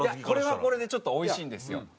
これはこれでちょっとおいしいんですよ。